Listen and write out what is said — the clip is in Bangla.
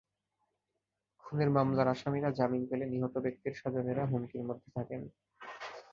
খুনের মামলার আসামিরা জামিন পেলে নিহত ব্যক্তির স্বজনেরা হুমকির মধ্যে থাকেন।